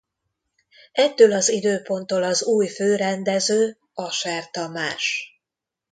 Ettől az időponttól az új főrendező Ascher Tamás.